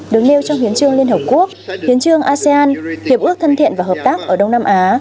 được nêu trong hiến trương liên hợp quốc hiến trương asean hiệp ước thân thiện và hợp tác ở đông nam á